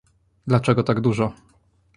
dlaczego tak dużo?